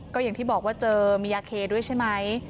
ก็อย่างที่บอกว่าเจอมียาเคด้วยใช่ไหม